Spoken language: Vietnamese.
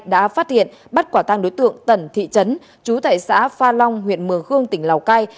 đã phát hiện bắt quả tăng đối tượng tẩn thị trấn chú tại xã pha long huyện mường khương tỉnh lào cai